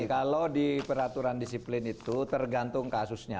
kalau di peraturan disiplin itu tergantung kasusnya